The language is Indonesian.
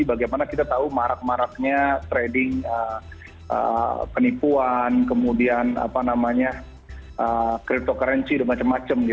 bagaimana kita tahu marak maraknya trading penipuan kemudian cryptocurrency dan macam macam